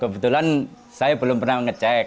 kebetulan saya belum pernah ngecek